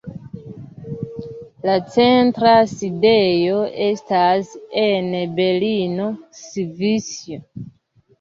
La centra sidejo estas en Berno, Svisio.